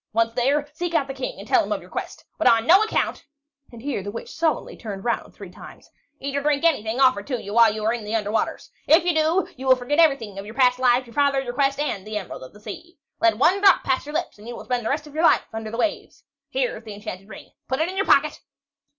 Once there, seek out the King and tell him of your quest. But on no account" (and here the Witch solemnly turned round three times) "eat or drink anything offered to you while you are in the under waters. If you do, you will forget everything of your past life, your father, your quest, and the Emerald of the Sea. Let one drop pass your lips, and you will spend the rest of your life under the waves. Here is the enchanted ring. Put it in your pocket."